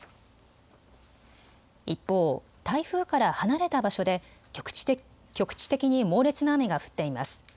一方、台風から離れた場所で局地的に猛烈な雨が降っています。